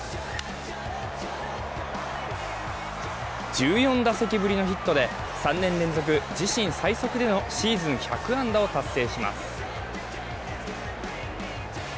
１４打席ぶりのヒットで３年連続自身最速でのシーズン１００安打を達成します。